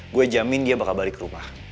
gue jamin dia bakal balik ke rumah